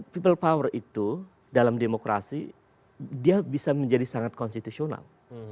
people power itu dalam demokrasi dia bisa menjadi sangat konstitusional